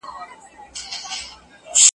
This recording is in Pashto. او تیاره ورته د کور وړه دنیا سوه .